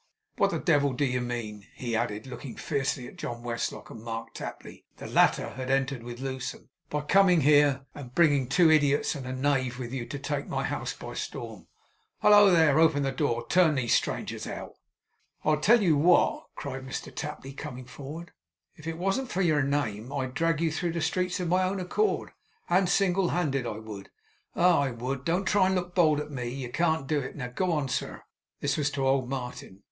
What the devil do you mean,' he added, looking fiercely at John Westlock and Mark Tapley (the latter had entered with Lewsome), 'by coming here, and bringing two idiots and a knave with you to take my house by storm? Hallo, there! Open the door! Turn these strangers out!' 'I tell you what,' cried Mr Tapley, coming forward, 'if it wasn't for your name, I'd drag you through the streets of my own accord, and single handed I would! Ah, I would! Don't try and look bold at me. You can't do it! Now go on, sir,' this was to old Martin.